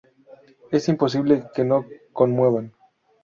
es imposible que no conmuevan